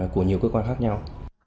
của nhiều cơ quan khác nhau